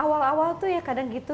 awal awal tuh ya kadang gitu